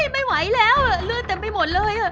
ไม่ไหวแล้วเลือดเต็มไปหมดเลย